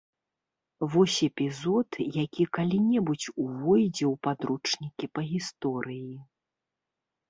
Вось эпізод, які калі-небудзь увойдзе ў падручнікі па гісторыі.